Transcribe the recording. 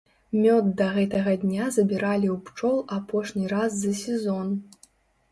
Мёд да гэтага дня забіралі ў пчол апошні раз за сезон.